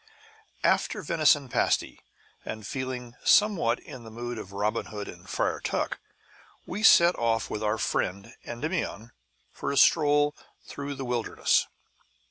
After venison pasty, and feeling somewhat in the mood of Robin Hood and Friar Tuck, we set off with our friend Endymion for a stroll through the wilderness.